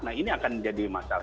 nah ini akan jadi masalah